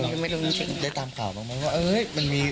ได้ตามข่าวหรือเปล่า